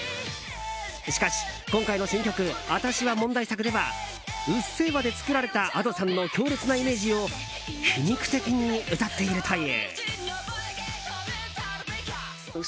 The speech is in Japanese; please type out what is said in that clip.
しかし、今回の新曲「アタシは問題作」では「うっせぇわ」で作られたＡｄｏさんの強烈なイメージを皮肉的に歌っているという。